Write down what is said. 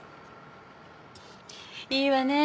いいわね。